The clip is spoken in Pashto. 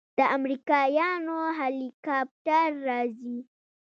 د امريکايانو هليكاپټر راځي.